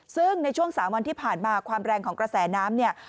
ซึ่งในช่วง๓วันที่ผ่านมาความแรงของกระแสน้ำเนี่ย